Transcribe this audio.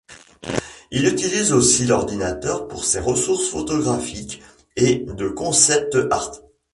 Il utilise aussi l’ordinateur pour ses ressources photographiques et de concept art.